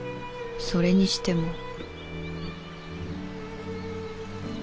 それにしても